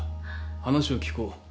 話を聞こう。